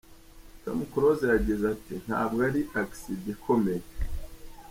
Tom Close yagize ati: “Ntabwo ari accident ikomeye.